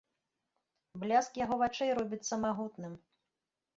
Бляск яго вачэй робіцца магутным.